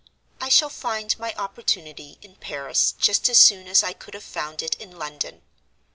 I shall find my opportunity in Paris just as soon as I could have found it in London.